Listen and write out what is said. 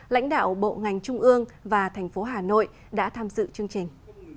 lãnh đạo bộ ngành trung ương và thành phố hà nội đã tham dự chương trình